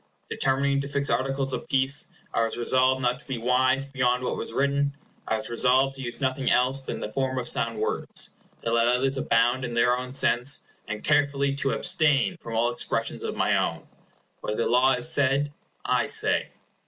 Determining to fix articles of peace, I was resolved not to be wise beyond what was written; I was resolved to use nothing else than the form of sound words, to let others abound in their own sense, and carefully to abstain from all expressions of my own. What the law has said, I say.